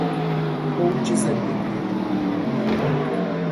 اوج زندگی او